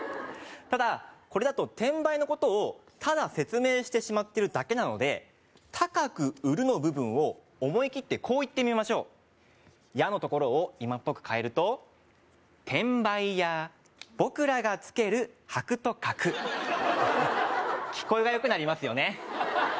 ただこれだと転売のことをただ説明してしまってるだけなので「高く売る」の部分を思い切ってこう言ってみましょう「屋」のところを今っぽく変えると聞こえがよくなりますよね